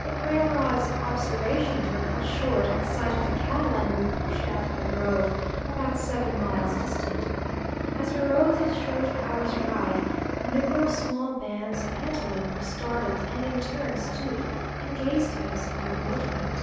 But Ramrod's observations were cut short at sight of the cattle, and we pushed out for the grove, about seven miles distant. As we rode this short hour's ride, numerous small bands of antelope were startled, and in turn stood and gazed at us in bewilderment.